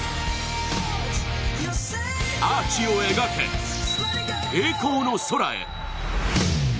アーチを描け、栄光の空へ。